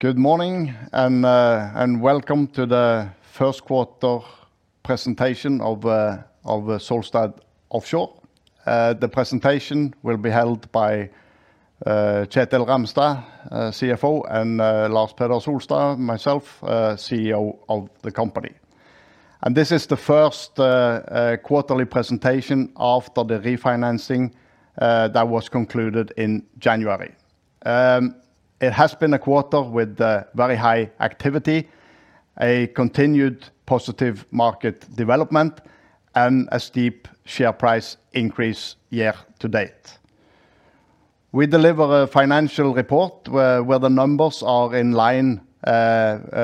Good morning and welcome to the First Quarter Presentation of Solstad Offshore. The presentation will be held by Kjetil Ramstad, CFO, and Lars Peder Solstad, myself, CEO of the company. This is the first quarterly presentation after the refinancing that was concluded in January. It has been a quarter with very high activity, a continued positive market development, and a steep share price increase year to date. We deliver a financial report where the numbers are in line with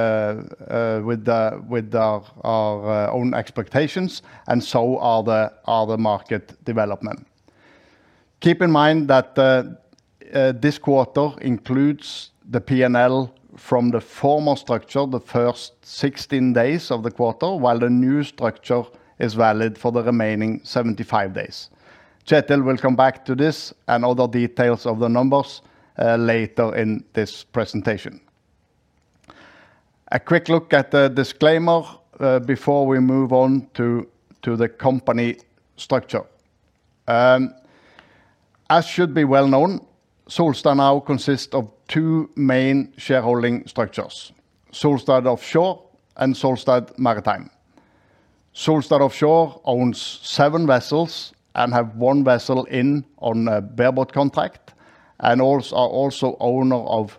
our own expectations, and so are the market developments. Keep in mind that this quarter includes the P&L from the former structure, the first 16 days of the quarter, while the new structure is valid for the remaining 75 days. Kjetil will come back to this and other details of the numbers later in this presentation. A quick look at the disclaimer before we move on to the company structure. As should be well known, Solstad now consists of two main shareholding structures: Solstad Offshore and Solstad Maritime. Solstad Offshore owns seven vessels and has one vessel on a bareboat contract. They are also owners of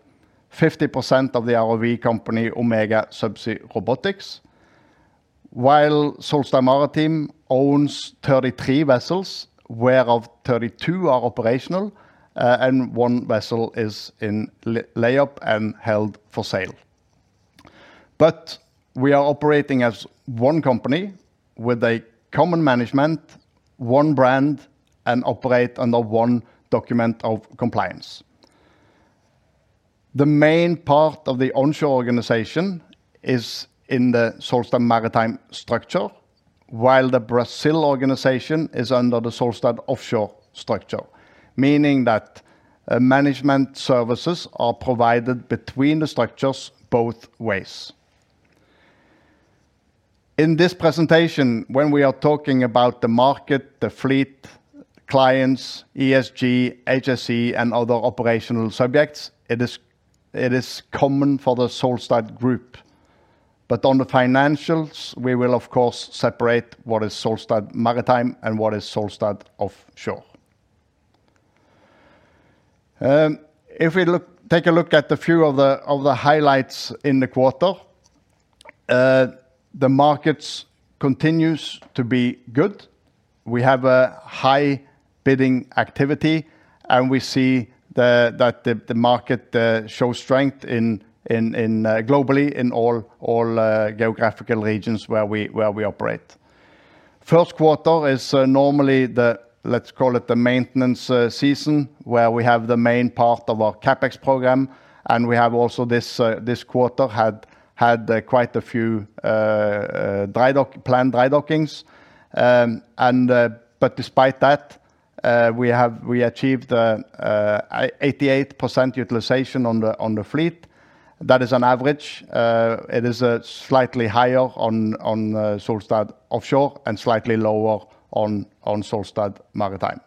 50% of the ROV company Omega Subsea Robotics. While Solstad Maritime owns 33 vessels, whereof 32 are operational and one vessel is in layup and held for sale. But we are operating as one company, with a common management, one brand, and operate under one document of compliance. The main part of the onshore organization is in the Solstad Maritime structure, while the Brazil organization is under the Solstad Offshore structure. Meaning that management services are provided between the structures both ways. In this presentation, when we are talking about the market, the fleet, clients, ESG, HSE, and other operational subjects, it is common for the Solstad Group. But on the financials, we will, of course, separate what is Solstad Maritime and what is Solstad Offshore. If we take a look at a few of the highlights in the quarter, the markets continue to be good. We have high bidding activity, and we see that the market shows strength globally in all geographical regions where we operate. First quarter is normally the, let's call it, the maintenance season, where we have the main part of our CapEx program. And we have also this quarter had quite a few planned dry dockings. But despite that, we achieved 88% utilization on the fleet. That is an average. It is slightly higher on Solstad Offshore and slightly lower on Solstad Maritime.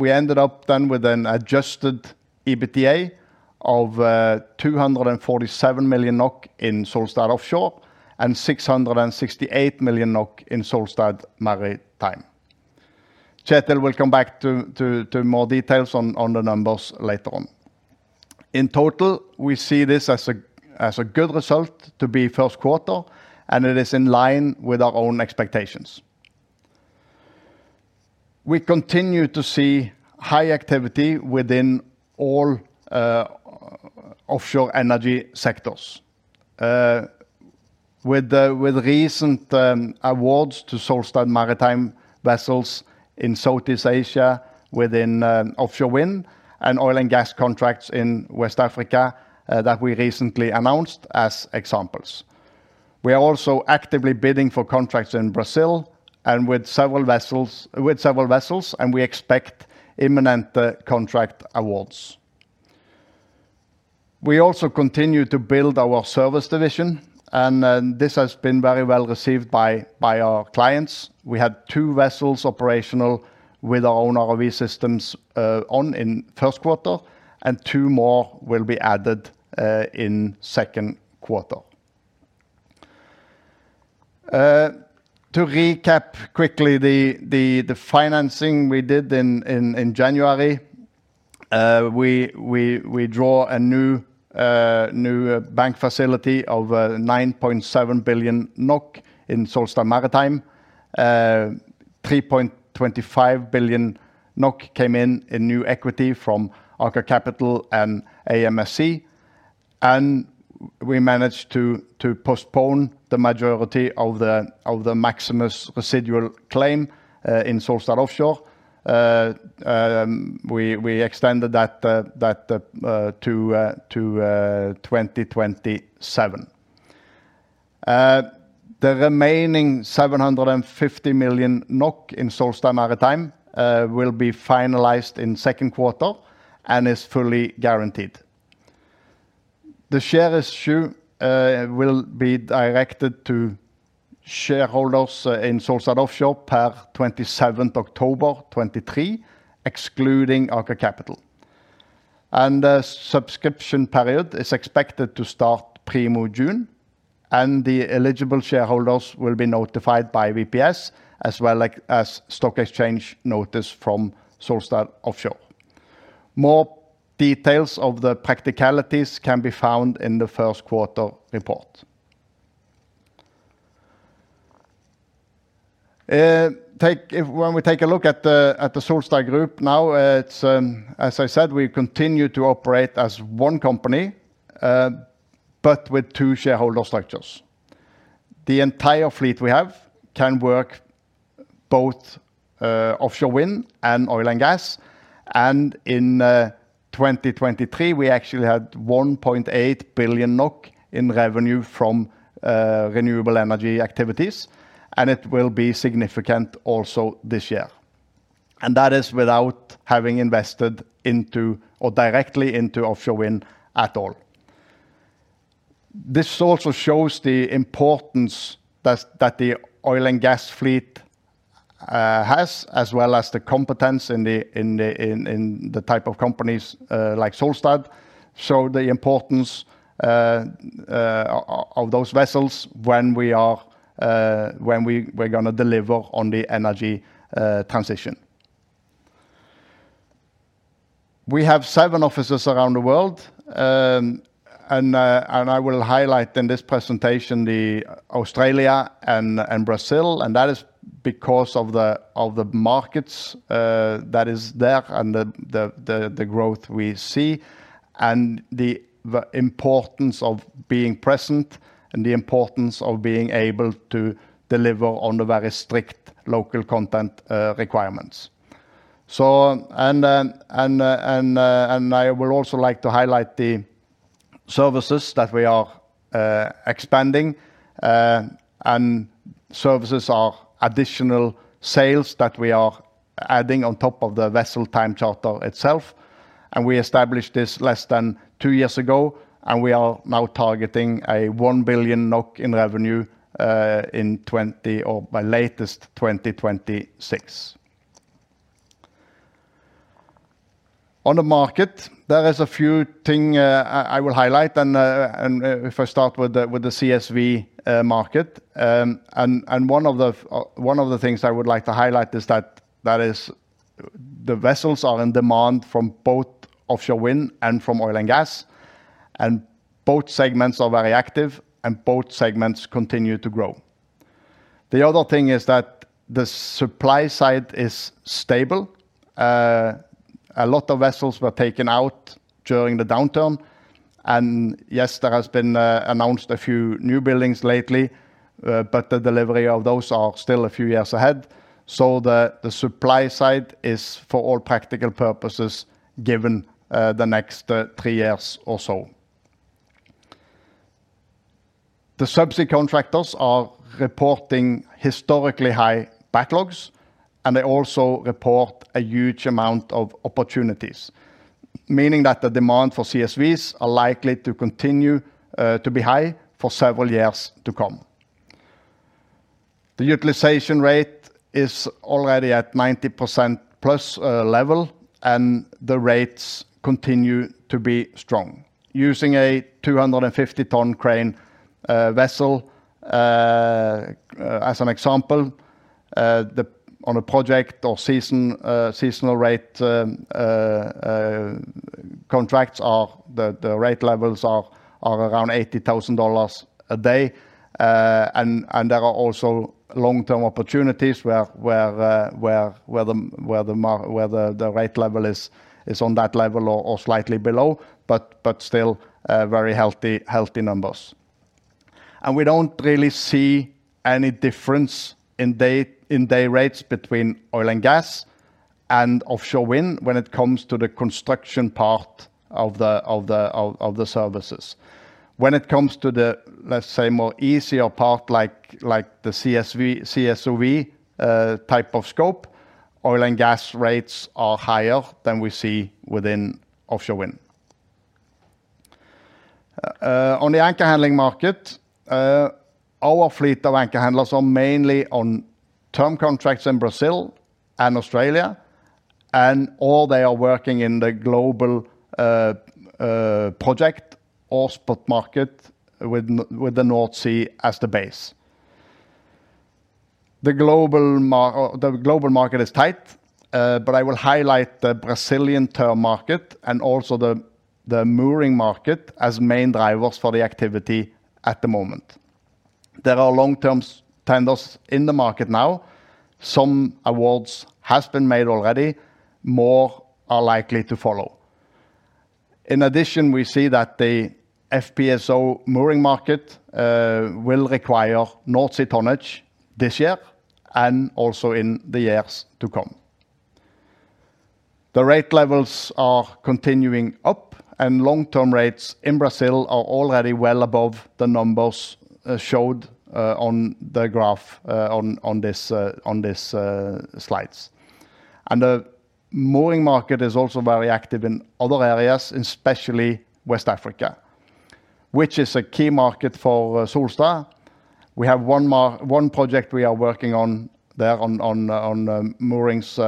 We ended up then with an adjusted EBITDA of 247 million NOK in Solstad Offshore and 668 million NOK in Solstad Maritime. Kjetil will come back to more details on the numbers later on. In total, we see this as a good result for the first quarter, and it is in line with our own expectations. We continue to see high activity within all offshore energy sectors. With recent awards to Solstad Maritime vessels in Southeast Asia, within offshore wind, and oil and gas contracts in West Africa that we recently announced as examples. We are also actively bidding for contracts in Brazil and with several vessels, and we expect imminent contract awards. We also continue to build our service division, and this has been very well received by our clients. We had two vessels operational with our own ROV systems on in first quarter, and two more will be added in second quarter. To recap quickly the financing we did in January, we draw a new bank facility of 9.7 billion NOK in Solstad Maritime. 3.25 billion NOK came in in new equity from Aker Capital and AMSC. We managed to postpone the majority of the Maximus residual claim in Solstad Offshore. We extended that to 2027. The remaining 750 million NOK in Solstad Maritime will be finalized in second quarter and is fully guaranteed. The share issue will be directed to shareholders in Solstad Offshore per 27th October 2023, excluding Aker Capital. The subscription period is expected to start before June. The eligible shareholders will be notified by VPS, as well as stock exchange notice from Solstad Offshore. More details of the practicalities can be found in the first quarter report. When we take a look at the Solstad Group now, as I said, we continue to operate as one company, but with two shareholder structures. The entire fleet we have can work both offshore wind and oil and gas. In 2023, we actually had 1.8 billion NOK in revenue from renewable energy activities. It will be significant also this year. That is without having invested directly into offshore wind at all. This also shows the importance that the oil and gas fleet has, as well as the competence in the type of companies like Solstad. Show the importance of those vessels when we are going to deliver on the energy transition. We have seven offices around the world. I will highlight in this presentation Australia and Brazil. That is because of the markets that are there and the growth we see. The importance of being present and the importance of being able to deliver on the very strict local content requirements. I would also like to highlight the services that we are expanding. Services are additional sales that we are adding on top of the vessel time charter itself. We established this less than two years ago, and we are now targeting a 1 billion NOK in revenue by latest 2026. On the market, there are a few things I will highlight. If I start with the CSV market. One of the things I would like to highlight is that the vessels are in demand from both offshore wind and from oil and gas. Both segments are very active, and both segments continue to grow. The other thing is that the supply side is stable. A lot of vessels were taken out during the downturn. Yes, there have been announced a few new buildings lately. But the delivery of those is still a few years ahead. The supply side is for all practical purposes given the next three years or so. The subsea contractors are reporting historically high backlogs. They also report a huge amount of opportunities. Meaning that the demand for CSVs is likely to continue to be high for several years to come. The utilization rate is already at 90%+ level, and the rates continue to be strong. Using a 250-ton crane vessel as an example, on a project or seasonal rate contracts, the rate levels are around $80,000 a day. There are also long-term opportunities where the rate level is on that level or slightly below. But still, very healthy numbers. We don't really see any difference in day rates between oil and gas and offshore wind when it comes to the construction part of the services. When it comes to the, let's say, more easier part, like the CSOV type of scope, oil and gas rates are higher than we see within offshore wind. On the anchor handling market, our fleet of anchor handlers is mainly on term contracts in Brazil and Australia. Or they are working in the global project or spot market with the North Sea as the base. The global market is tight. But I will highlight the Brazilian term market and also the mooring market as main drivers for the activity at the moment. There are long-term tenders in the market now. Some awards have been made already. More are likely to follow. In addition, we see that the FPSO mooring market will require North Sea tonnage this year and also in the years to come. The rate levels are continuing up, and long-term rates in Brazil are already well above the numbers showed on the graph on these slides. The mooring market is also very active in other areas, especially West Africa, which is a key market for Solstad. We have one project we are working on there on moorings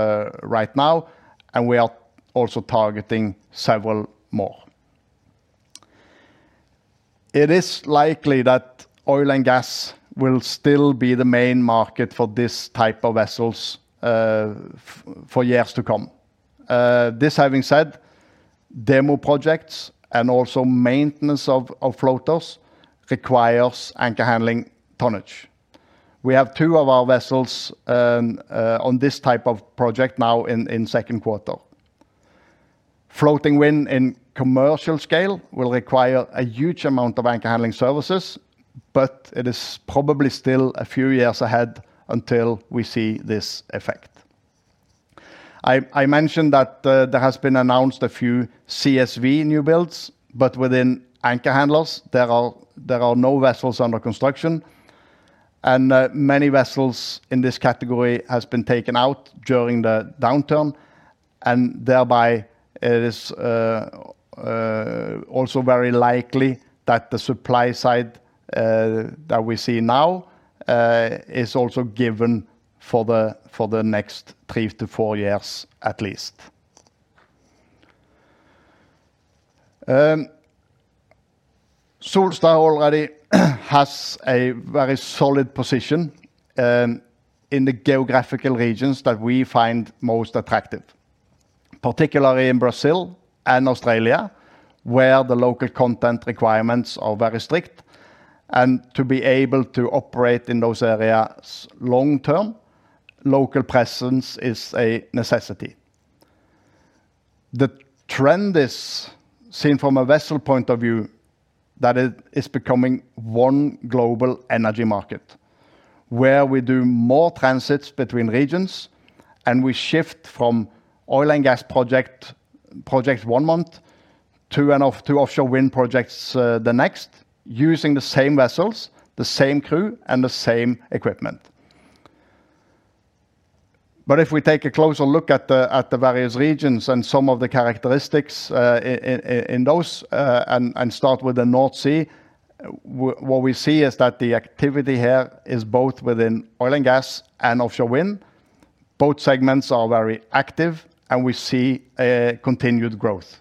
right now. We are also targeting several more. It is likely that oil and gas will still be the main market for this type of vessels for years to come. This having said, demo projects and also maintenance of floaters require anchor handling tonnage. We have two of our vessels on this type of project now in second quarter. Floating wind in commercial scale will require a huge amount of anchor handling services. But it is probably still a few years ahead until we see this effect. I mentioned that there have been announced a few CSV new builds. But within anchor handlers, there are no vessels under construction. Many vessels in this category have been taken out during the downturn. Thereby, it is also very likely that the supply side that we see now is also given for the next 3 years-4 years, at least. Solstad already has a very solid position in the geographical regions that we find most attractive. Particularly in Brazil and Australia, where the local content requirements are very strict. To be able to operate in those areas long-term, local presence is a necessity. The trend is seen from a vessel point of view that it is becoming one global energy market. Where we do more transits between regions, and we shift from oil and gas projects one month to offshore wind projects the next, using the same vessels, the same crew, and the same equipment. But if we take a closer look at the various regions and some of the characteristics in those, and start with the North Sea, what we see is that the activity here is both within oil and gas and offshore wind. Both segments are very active, and we see continued growth.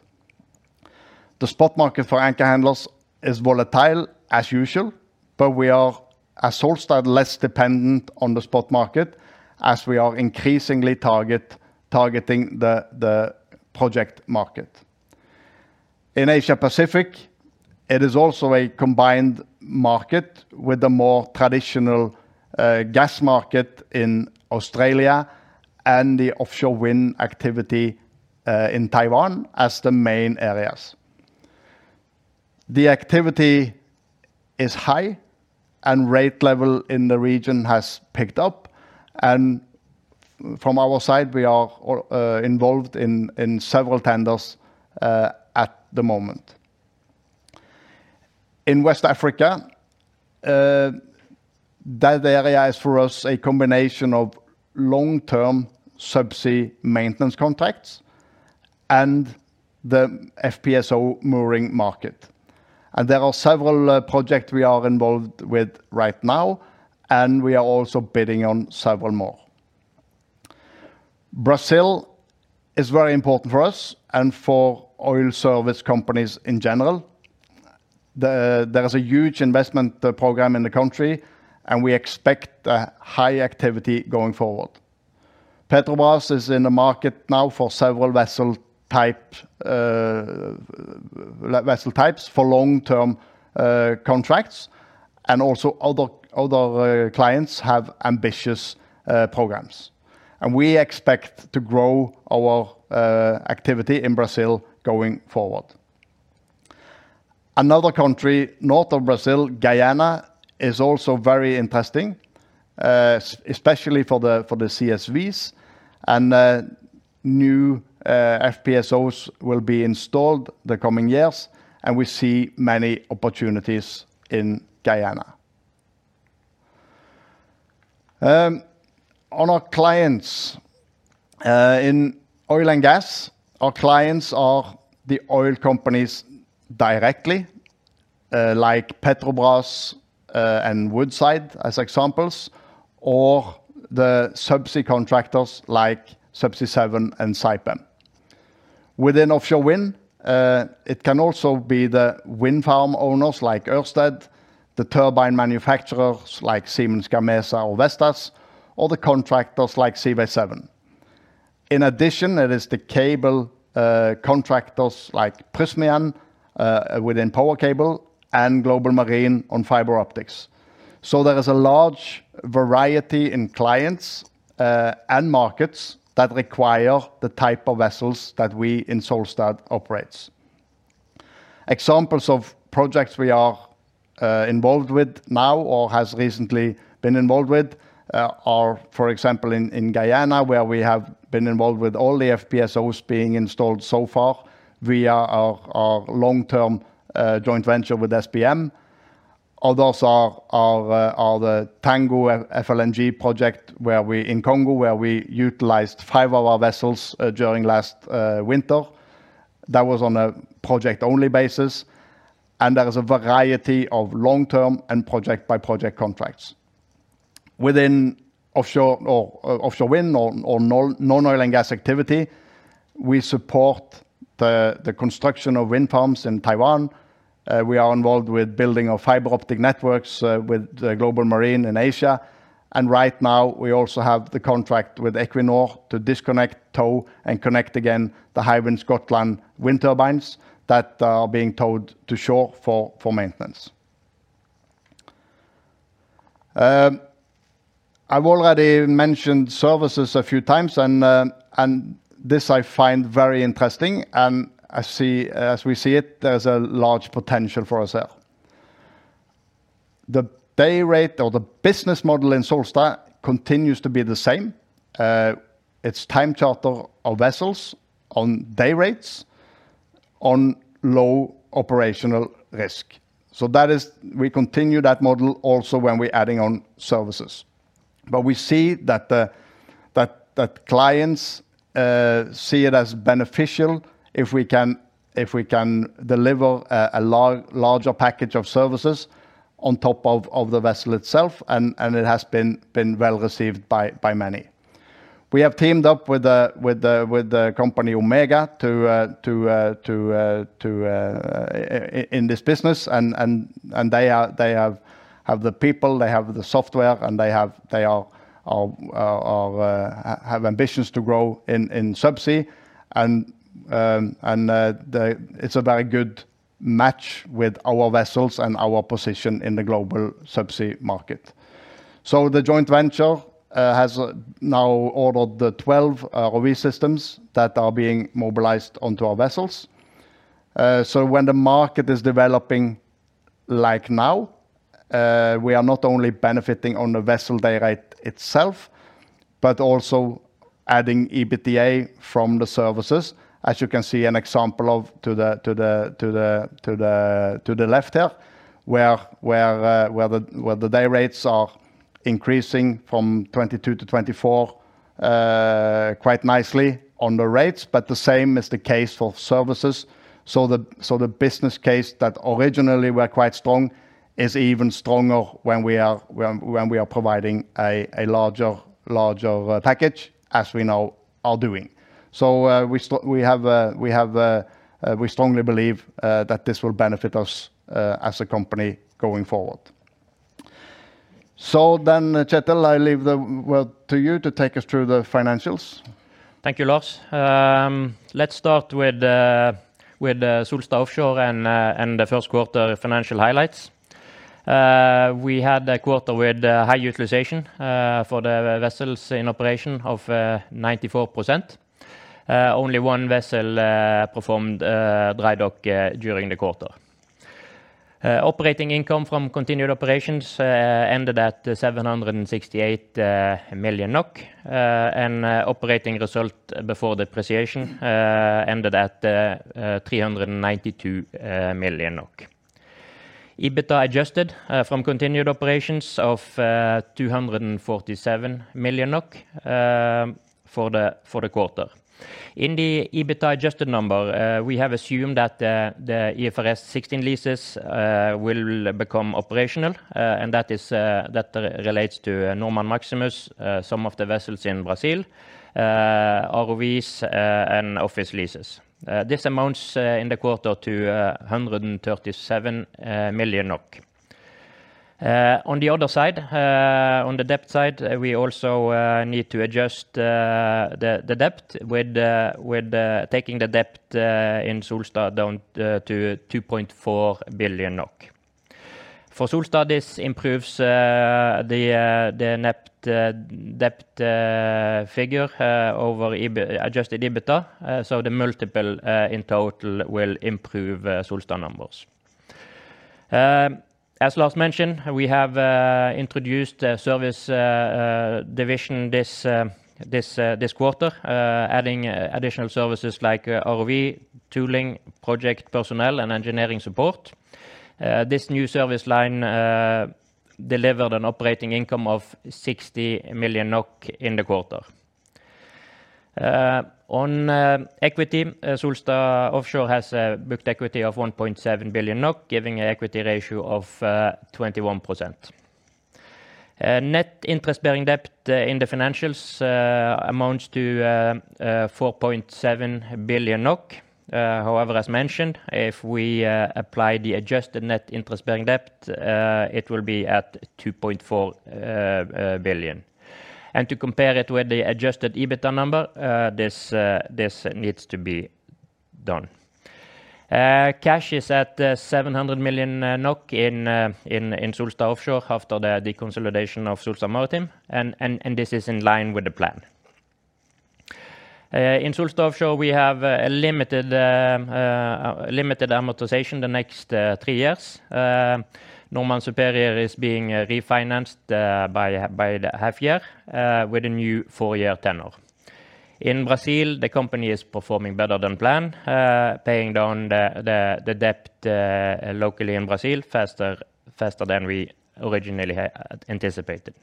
The spot market for anchor handlers is volatile, as usual. But we are, as Solstad, less dependent on the spot market, as we are increasingly targeting the project market. In Asia-Pacific, it is also a combined market with the more traditional gas market in Australia and the offshore wind activity in Taiwan as the main areas. The activity is high, and rate level in the region has picked up. From our side, we are involved in several tenders at the moment. In West Africa, that area is for us a combination of long-term subsea maintenance contracts and the FPSO mooring market. There are several projects we are involved with right now, and we are also bidding on several more. Brazil is very important for us and for oil service companies in general. There is a huge investment program in the country, and we expect high activity going forward. Petrobras is in the market now for several vessel types for long-term contracts. Also, other clients have ambitious programs. We expect to grow our activity in Brazil going forward. Another country, north of Brazil, Guyana, is also very interesting, especially for the CSVs. New FPSOs will be installed the coming years, and we see many opportunities in Guyana. On our clients in oil and gas, our clients are the oil companies directly, like Petrobras and Woodside as examples. Or the subsea contractors like Subsea 7 and Saipem. Within offshore wind, it can also be the wind farm owners like Ørsted, the turbine manufacturers like Siemens Gamesa or Vestas, or the contractors like Seaway 7. In addition, it is the cable contractors like Prysmian within power cable and Global Marine on fiber optics. There is a large variety in clients and markets that require the type of vessels that we in Solstad operate. Examples of projects we are involved with now or have recently been involved with are, for example, in Guyana, where we have been involved with all the FPSOs being installed so far via our long-term joint venture with SBM. Others are the Tango FLNG project, where we in Congo, where we utilized five of our vessels during last winter. That was on a project-only basis. There is a variety of long-term and project-by-project contracts. Within offshore wind or non-oil and gas activity, we support the construction of wind farms in Taiwan. We are involved with building of fiber optic networks with Global Marine in Asia. Right now, we also have the contract with Equinor to disconnect, tow, and connect again the Hywind Scotland wind turbines that are being towed to shore for maintenance. I've already mentioned services a few times. This I find very interesting. As we see it, there is a large potential for us here. The day rate or the business model in Solstad continues to be the same. It's time charter of vessels on day rates on low operational risk. We continue that model also when we are adding on services. But we see that clients see it as beneficial if we can deliver a larger package of services on top of the vessel itself. It has been well received by many. We have teamed up with the company Omega in this business. They have the people, they have the software, and they have ambitions to grow in subsea. It's a very good match with our vessels and our position in the global subsea market. The joint venture has now ordered the 12 ROV systems that are being mobilized onto our vessels. When the market is developing like now, we are not only benefiting on the vessel day rate itself, but also adding EBITDA from the services. As you can see an example of to the left here, where the day rates are increasing from 2022 to 2024 quite nicely on the rates. But the same is the case for services. The business case that originally was quite strong is even stronger when we are providing a larger package, as we now are doing. We strongly believe that this will benefit us as a company going forward. Then, Kjetil, I leave the word to you to take us through the financials. Thank you, Lars. Let's start with Solstad Offshore and the first quarter financial highlights. We had a quarter with high utilization for the vessels in operation of 94%. Only one vessel performed dry dock during the quarter. Operating income from continued operations ended at 768 million NOK. Operating result before depreciation ended at 392 million. EBITDA adjusted from continued operations of 247 million for the quarter. In the EBITDA adjusted number, we have assumed that the IFRS 16 leases will become operational. That relates to Normand Maximus, some of the vessels in Brazil, ROVs, and office leases. This amounts in the quarter to 137 million. On the other side, on the debt side, we also need to adjust the debt with taking the debt in Solstad down to 2.4 billion NOK. For Solstad, this improves the net debt figure over adjusted EBITDA. The multiple in total will improve Solstad numbers. As Lars mentioned, we have introduced service division this quarter, adding additional services like ROV, tooling, project personnel, and engineering support. This new service line delivered an operating income of 60 million NOK in the quarter. On equity, Solstad Offshore has booked equity of 1.7 billion NOK, giving an equity ratio of 21%. Net interest-bearing debt in the financials amounts to 4.7 billion NOK. However, as mentioned, if we apply the adjusted net interest-bearing debt, it will be at 2.4 billion. To compare it with the adjusted EBITDA number, this needs to be done. Cash is at 700 million NOK in Solstad Offshore after the deconsolidation of Solstad Maritime. This is in line with the plan. In Solstad Offshore, we have a limited amortization the next three years. Normand Superior is being refinanced by half a year with a new four-year tenor. In Brazil, the company is performing better than planned, paying down the debt locally in Brazil faster than we originally anticipated.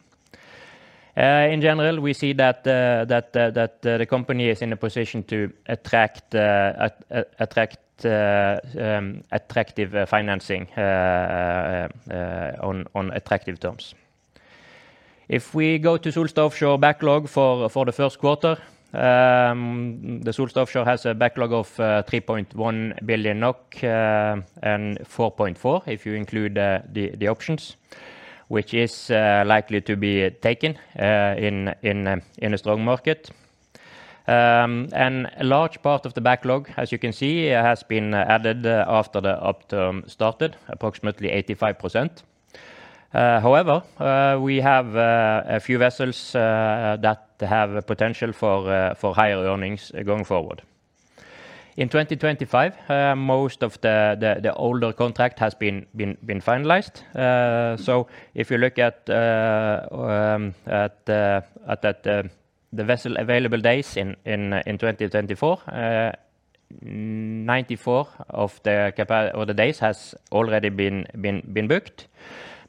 In general, we see that the company is in a position to attract attractive financing on attractive terms. If we go to Solstad Offshore backlog for the first quarter, Solstad Offshore has a backlog of 3.1 billion NOK and 4.4 billion if you include the options, which is likely to be taken in a strong market. A large part of the backlog, as you can see, has been added after the upturn started, approximately 85%. However, we have a few vessels that have potential for higher earnings going forward. In 2025, most of the older contract has been finalized. If you look at the vessel available days in 2024, 94 of the days have already been booked.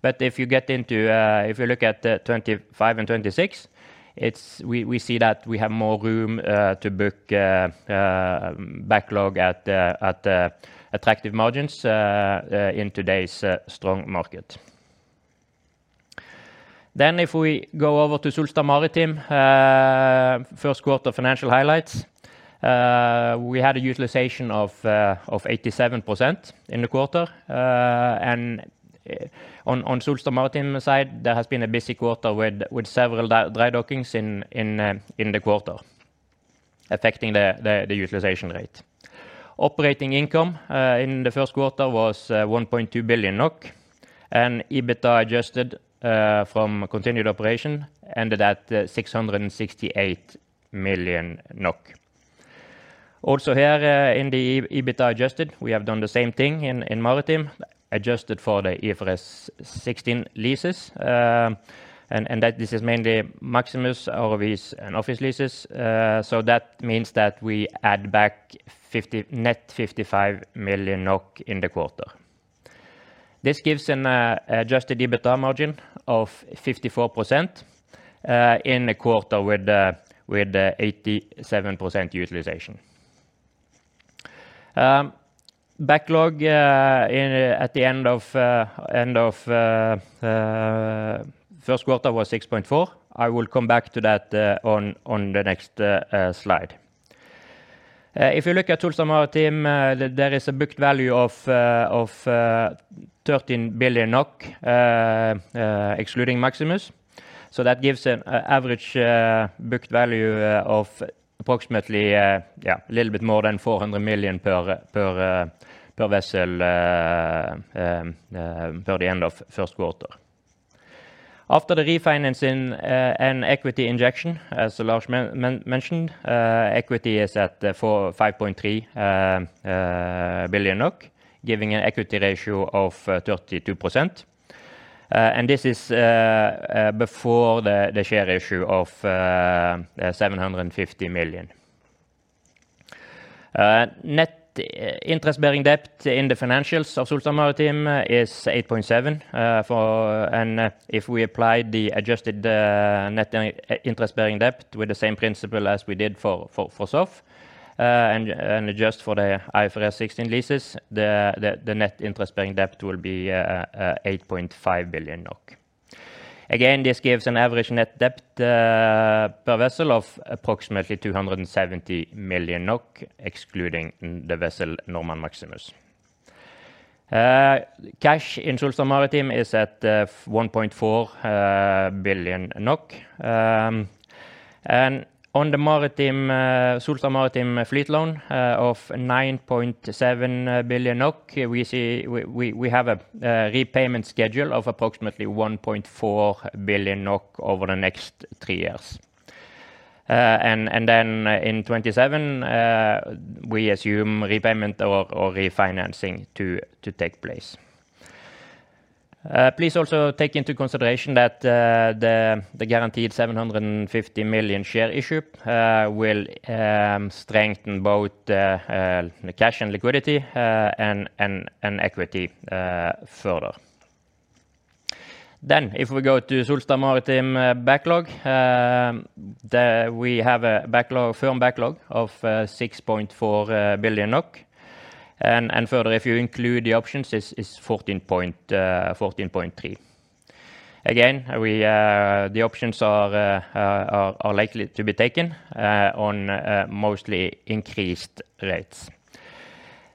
But if you look at 2025 and 2026, we see that we have more room to book backlog at attractive margins in today's strong market. Then, if we go over to Solstad Maritime, first quarter financial highlights, we had a utilization of 87% in the quarter. On Solstad Maritime side, there has been a busy quarter with several dry dockings in the quarter, affecting the utilization rate. Operating income in the first quarter was 1.2 billion NOK. EBITDA adjusted from continued operation ended at 668 million NOK. Also, here in the EBITDA adjusted, we have done the same thing in Maritime, adjusted for the IFRS 16 leases. This is mainly Maximus, ROVs, and office leases. That means that we add back net 55 million NOK in the quarter. This gives an adjusted EBITDA margin of 54% in a quarter with 87% utilization. Backlog at the end of first quarter was 6.4. I will come back to that on the next slide. If you look at Solstad Maritime, there is a booked value of 13 billion NOK, excluding Maximus. That gives an average booked value of approximately a little bit more than 400 million per vessel per the end of first quarter. After the refinancing and equity injection, as Lars mentioned, equity is at 5.3 billion NOK, giving an equity ratio of 32%. This is before the share issue of 750 million. Net interest bearing debt in the financials of Solstad Maritime is 8.7 billion. If we apply the adjusted net interest bearing debt with the same principle as we did for SOF, and adjust for the IFRS 16 leases, the net interest bearing debt will be 8.5 billion NOK. Again, this gives an average net debt per vessel of approximately 270 million NOK, excluding the vessel Normand Maximus. Cash in Solstad Maritime is at 1.4 billion NOK. On the Solstad Maritime fleet loan of 9.7 billion NOK, we see we have a repayment schedule of approximately 1.4 billion NOK over the next three years. In 2027, we assume repayment or refinancing to take place. Please also take into consideration that the guaranteed 750 million share issue will strengthen both the cash and liquidity and equity further. If we go to Solstad Maritime backlog, we have a firm backlog of 6.4 billion NOK. Further, if you include the options, it is 14.3 billion. Again, the options are likely to be taken on mostly increased rates.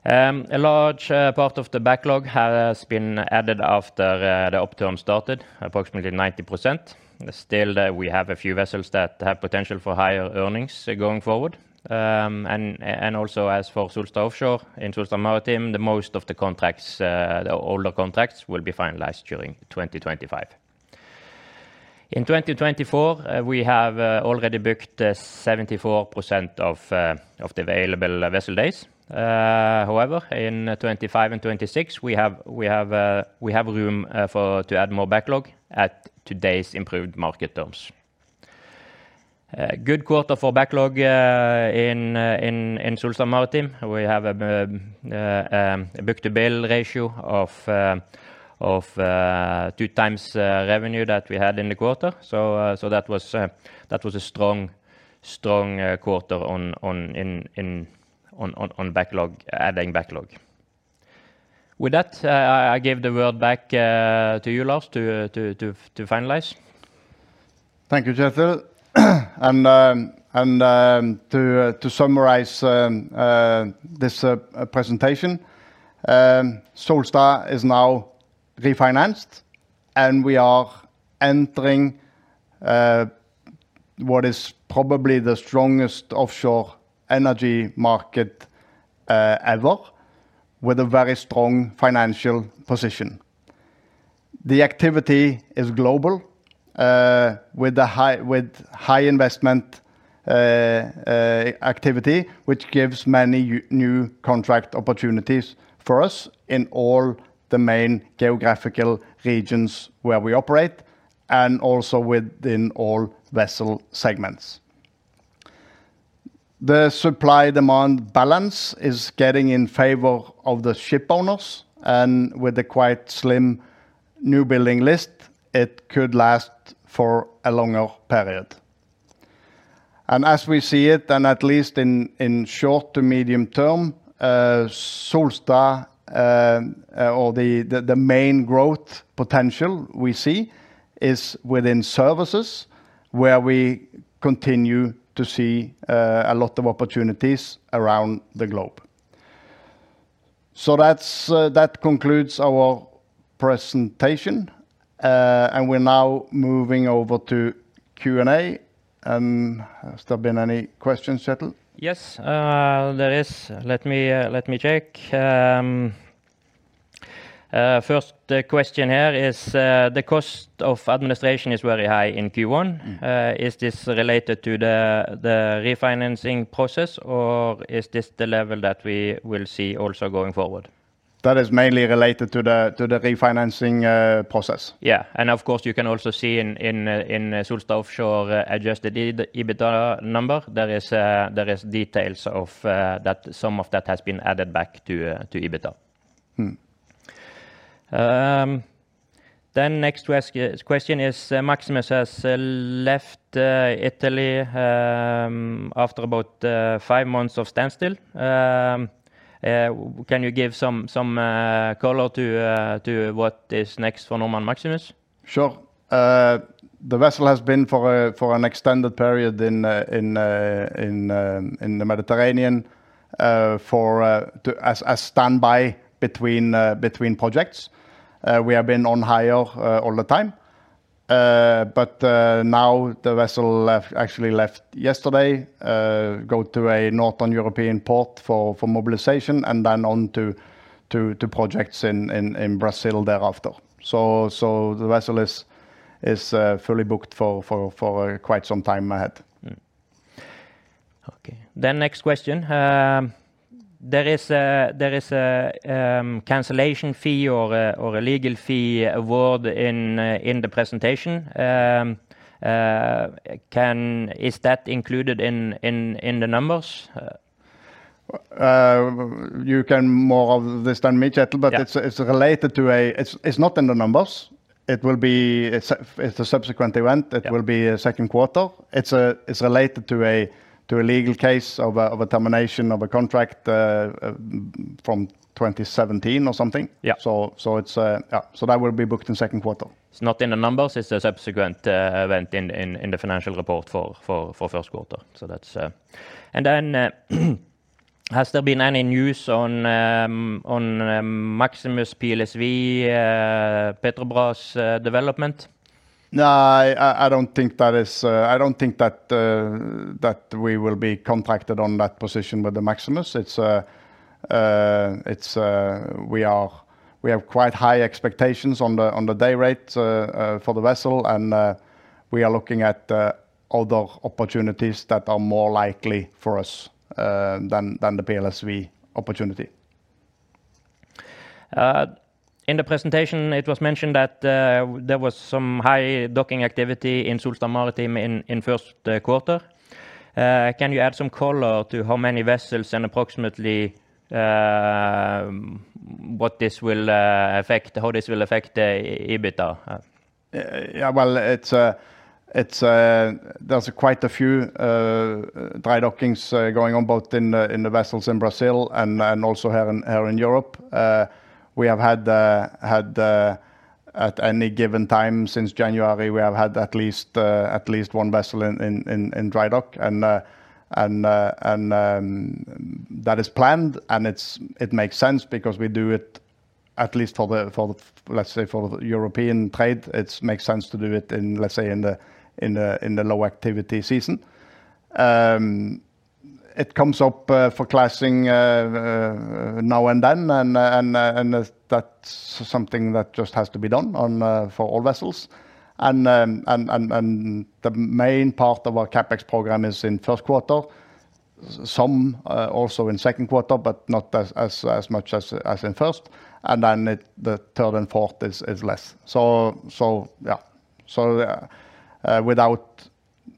A large part of the backlog has been added after the upturn started, approximately 90%. Still, we have a few vessels that have potential for higher earnings going forward. Also, as for Solstad Offshore in Solstad Maritime, the most of the older contracts will be finalized during 2025. In 2024, we have already booked 74% of the available vessel days. However, in 2025 and 2026, we have room to add more backlog at today's improved market terms. Good quarter for backlog in Solstad Maritime. We have a book-to-bill ratio of 2x revenue that we had in the quarter. So that was a strong quarter on backlog, adding backlog. With that, I give the word back to you, Lars, to finalize. Thank you, Kjetil. And to summarize this presentation, Solstad is now refinanced. And we are entering what is probably the strongest offshore energy market ever, with a very strong financial position. The activity is global, with high investment activity, which gives many new contract opportunities for us in all the main geographical regions where we operate. Also within all vessel segments. The supply-demand balance is getting in favor of the shipowners. With the quite slim new-building list, it could last for a longer period. As we see it, at least in short to medium term, Solstad, or the main growth potential we see is within services, where we continue to see a lot of opportunities around the globe. So that concludes our presentation. We're now moving over to Q&A. Has there been any questions, Kjetil? Yes, there is. Let me check. First question here is, the cost of administration is very high in Q1. Is this related to the refinancing process, or is this the level that we will see also going forward? That is mainly related to the refinancing process. Yeah, and of course, you can also see in Solstad Offshore adjusted EBITDA number, there are details of that. Some of that has been added back to EBITDA. Then, next question is, Maximus has left Italy, after about five months of standstill. Can you give some color to what is next for Normand Maximus? Sure. The vessel has been for an extended period in the Mediterranean, for to as a standby between projects. We have been on hire all the time. But now the vessel actually left yesterday, go to a northern European port for mobilization, and then on to projects in Brazil thereafter. So the vessel is fully booked for quite some time ahead. Okay, then next question. There is a cancellation fee or a legal fee award in the presentation. Is that included in the numbers? You know more about this than me, Kjetil, but it's related to a... It's not in the numbers. It will be a subsequent event. It will be second quarter. It's related to a legal case of a termination of a contract from 2017 or something. Yeah, so that's... Yeah, so that will be booked in second quarter. It's not in the numbers. It's a subsequent event in the financial report for first quarter. So that's... and then... Has there been any news on Maximus PLSV, Petrobras development? No, I don't think that is... I don't think that we will be contracted on that position with the Maximus. It's a... We have quite high expectations on the day rate for the vessel. And we are looking at other opportunities that are more likely for us than the PLSV opportunity. In the presentation, it was mentioned that there was some dry docking activity in Solstad Maritime in first quarter. Can you add some color to how many vessels and approximately what this will affect, how this will affect EBITDA? Yeah, well, it's a there's quite a few dry dockings going on both in the vessels in Brazil and also here in Europe. We have had at any given time since January, we have had at least one vessel in dry dock. And that is planned. And it makes sense because we do it at least for the, let's say, for the European trade. It makes sense to do it in, let's say, in the low activity season. It comes up for classing now and then. And that's something that just has to be done for all vessels. And the main part of our CapEx program is in first quarter. Some also in second quarter, but not as much as in first. And then the third and fourth is less. So yeah. So without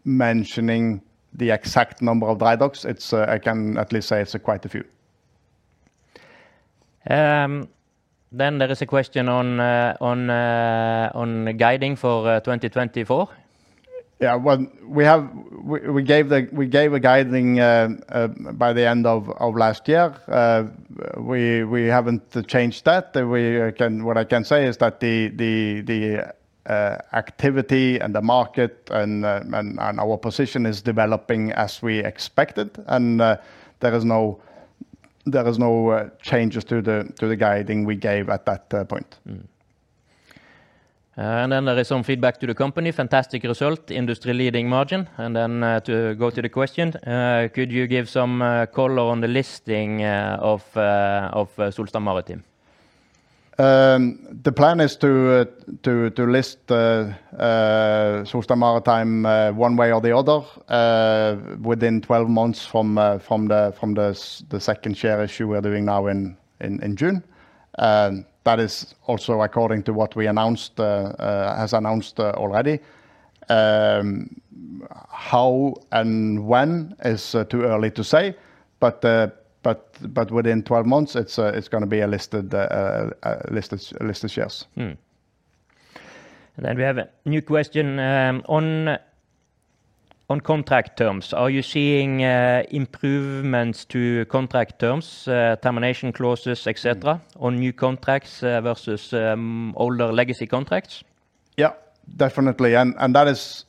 mentioning the exact number of dry docks, I can at least say it's quite a few. Then, there is a question on guiding for 2024. Yeah, well, we gave a guidance by the end of last year. We haven't changed that. What I can say is that the activity and the market and our position is developing as we expected. And there is no changes to the guidance we gave at that point. And then, there is some feedback to the company. Fantastic result. Industry leading margin. And then, to go to the question, could you give some color on the listing of Solstad Maritime? The plan is to list Solstad Maritime one way or the other within 12 months from the second share issue we're doing now in June. That is also according to what we announced already. How and when is too early to say. But within 12 months, it's going to be a listed shares. And then, we have a new question. On contract terms, are you seeing improvements to contract terms, termination clauses, etc., on new contracts versus older legacy contracts? Yeah, definitely. And that is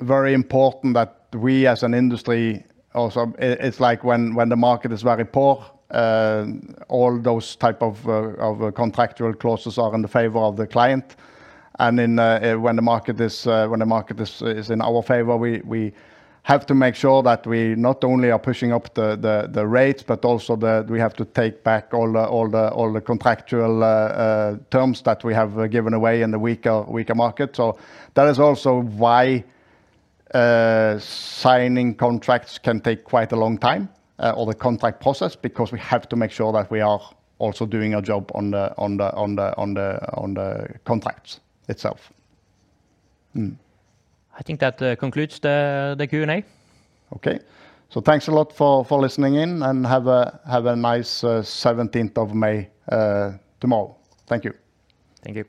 very important that we as an industry also... It's like when the market is very poor, all those types of contractual clauses are in the favor of the client. And when the market is in our favor, we have to make sure that we not only are pushing up the rates, but also that we have to take back all the contractual terms that we have given away in the weaker market. So that is also why signing contracts can take quite a long time, or the contract process, because we have to make sure that we are also doing our job on the contracts itself. I think that concludes the Q&A. Okay, so thanks a lot for listening in and have a nice 17th of May tomorrow. Thank you. Thank you.